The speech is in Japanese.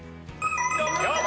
よっ！